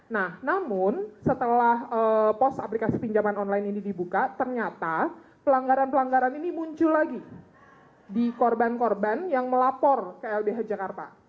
nah namun setelah pos aplikasi pinjaman online ini dibuka ternyata pelanggaran pelanggaran ini muncul lagi di korban korban yang melapor ke lbh jakarta